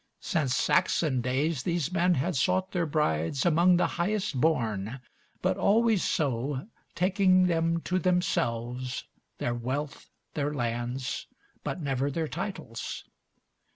Since Saxon days, these men had sought their brides Among the highest born, but always so, Taking them to themselves, their wealth, their lands, But never their titles.